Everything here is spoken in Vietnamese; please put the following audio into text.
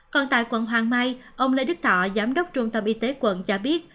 còn tại quận hoàng mai ông lê đức thọ giám đốc trung tâm y tế quận cho biết